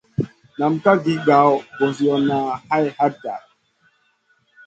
Nam ká gi caw ɓosiyona hay hatna.